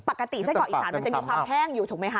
ปกติไส้กรอกอีสานมันจะมีความแห้งอยู่ถูกไหมคะ